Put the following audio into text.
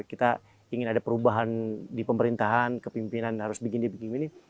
kita ingin ada perubahan di pemerintahan kepimpinan harus begini begini